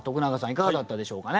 いかがだったでしょうかね。